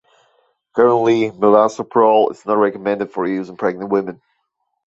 Currently, melarsoprol is not recommended for use in pregnant women.